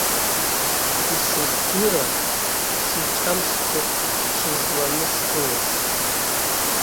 Исыздырам сиҿамскәа сҽызланыскылаз!